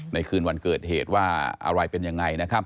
คืนวันเกิดเหตุว่าอะไรเป็นยังไงนะครับ